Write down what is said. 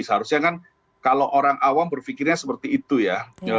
seharusnya kan kalau orang awam berpikirnya seperti itu ya